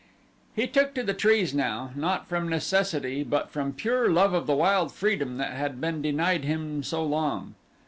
He took to the trees now, not from necessity but from pure love of the wild freedom that had been denied him so long.